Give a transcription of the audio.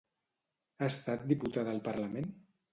Ha estat diputada al Parlament?